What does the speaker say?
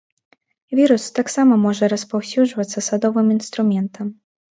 Вірус таксама можа распаўсюджвацца садовым інструментам.